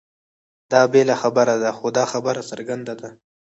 دا بېله خبره ده؛ خو دا خبره څرګنده ده،